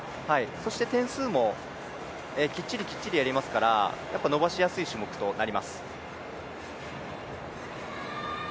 そして点数もきっちりきっちりやりますからやっぱり伸ばしやすい種目となります。